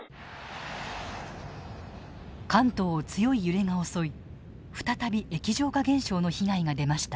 関東を強い揺れが襲い再び液状化現象の被害が出ました。